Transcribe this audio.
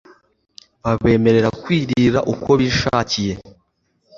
Babemerera kwirira uko bishakiye